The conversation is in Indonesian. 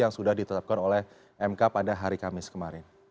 yang sudah ditetapkan oleh mk pada hari kamis kemarin